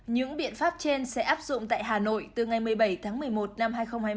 những biện pháp trên sẽ áp dụng tại hà nội từ ngày một mươi bảy tháng một mươi một năm hai nghìn hai mươi